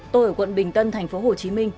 tôi ở quận bình tân tp hcm